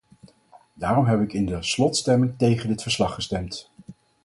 Daarom heb ik in de slotstemming tegen dit verslag gestemd.